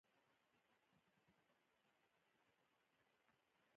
علي په خپله خر نه لري، د خلکو په موټرو باندې نیوکې کوي.